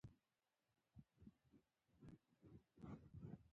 د بولان پټي د افغانستان د ځانګړي ډول جغرافیه استازیتوب کوي.